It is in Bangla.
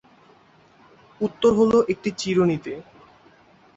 উত্তর হল, একটি চিরুনীতে।